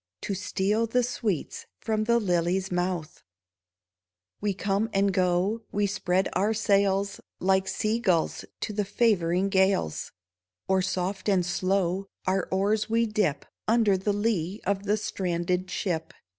To steal the sweets from the lily's mouth ! We come and go ; we spread our sails Like sea gulls to the favoring gales ; Or, soft and slow, our oars we dip Under the lee of the stranded ship.